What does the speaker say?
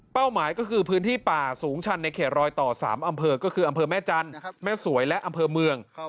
หมายก็คือพื้นที่ป่าสูงชันในเขตรอยต่อ๓อำเภอก็คืออำเภอแม่จันทร์แม่สวยและอำเภอเมือง